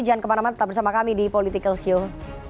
jangan kemana mana tetap bersama kami di political show